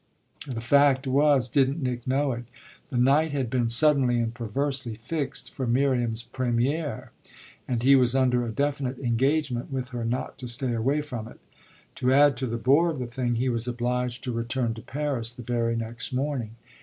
The fact was (didn't Nick know it?) the night had been suddenly and perversely fixed for Miriam's première, and he was under a definite engagement with her not to stay away from it. To add to the bore of the thing he was obliged to return to Paris the very next morning.